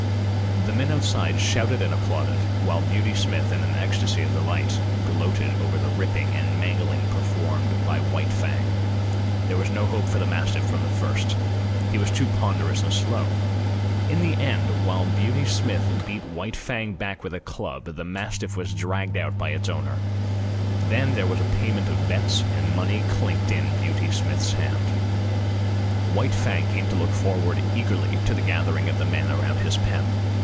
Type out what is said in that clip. The men outside shouted and applauded, while Beauty Smith, in an ecstasy of delight, gloated over the ripping and mangling performed by White Fang. There was no hope for the mastiff from the first. He was too ponderous and slow. In the end, while Beauty Smith beat White Fang back with a club, the mastiff was dragged out by its owner. Then there was a payment of bets, and money clinked in Beauty Smith's hand. White Fang came to look forward eagerly to the gathering of the men around his pen.